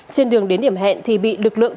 trên đường đến điểm hẹn thì bị lực lượng